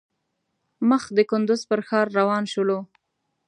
مخ د کندوز پر ښار روان شولو.